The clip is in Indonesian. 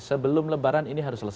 sebelum lebaran ini harus selesai